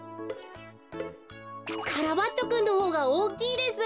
カラバッチョくんのほうがおおきいです。